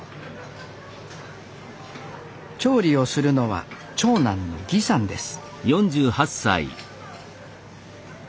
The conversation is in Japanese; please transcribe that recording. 調理をするのは長男の儀さんです